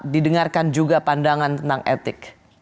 didengarkan juga pandangan tentang etik